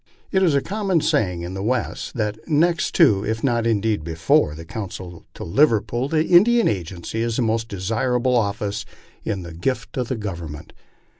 It is a common saying in the West that next to, if not indeed before, the consulship to Liverpool, an Indian agency is the most desirable office in the gift of the Government.